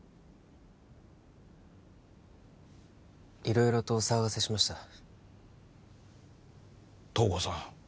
色々とお騒がせしました東郷さん